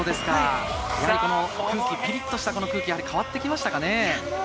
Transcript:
ピリッとした空気、変わってきましたかね？